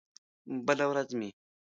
بله ورځ مې